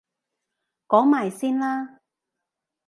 講埋先啦！